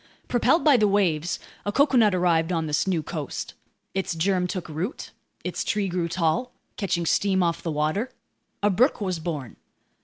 Propelled by the waves, a coconut arrived on this new coast. Its germ took root. Its tree grew tall, catching steam off the water. A brook was born.